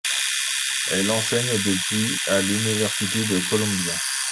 Elle enseigne depuis à l'Université de Columbia.